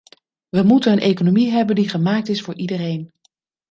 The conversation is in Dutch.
We moeten een economie hebben die gemaakt is voor iedereen.